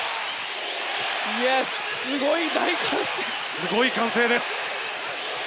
すごい大歓声です。